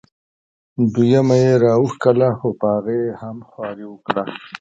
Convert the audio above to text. دویمه یې را وښکله خو په هغې یې هم خواري وکړه.